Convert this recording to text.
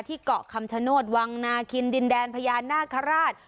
เกาะคำชโนธวังนาคินดินแดนพญานาคาราช